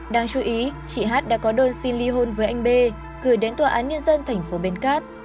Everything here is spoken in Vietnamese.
đáng chú ý chị hát đã có đơn xin ly hôn với anh b gửi đến tòa án nhân dân thành phố bến cát